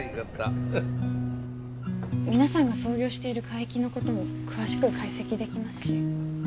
皆さんが操業している海域のことも詳しく解析できますし。